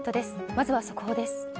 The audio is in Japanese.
まずは速報です。